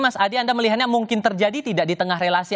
mas adi anda melihatnya mungkin terjadi tidak di tengah relasi